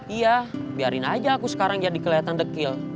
iya biarin aja aku sekarang jadi keliatan dekil